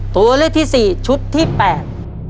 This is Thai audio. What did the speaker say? ตัวเลือกที่สี่ชุดที่แปด